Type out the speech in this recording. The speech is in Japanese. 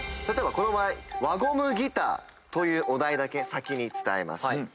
例えばこの場合「輪ゴムギター」というお題だけ先に伝えます。